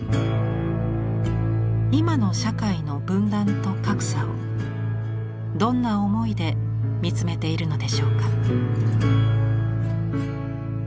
今の社会の「分断」と「格差」をどんな思いで見つめているのでしょうか。